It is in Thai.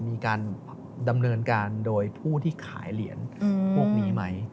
มีการดำเนินการโดยผู้ที่ขายเหรียญพวกนี้ไหม